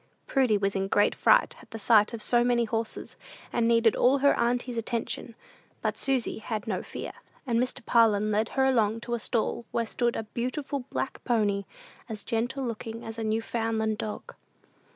Prudy was in a great fright at sight of so many horses, and needed all her auntie's attention; but Susy had no fear, and Mr. Parlin led her along to a stall where stood a beautiful black pony, as gentle looking as a Newfoundland dog.